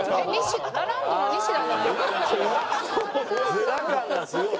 ヅラ感がすごい。